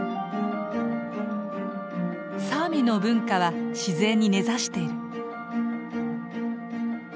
サーミの文化は自然に根ざしている。